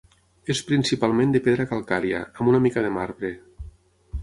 És principalment de pedra calcària, amb una mica de marbre.